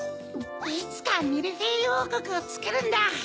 いつかミルフィーユおうこくをつくるんだ！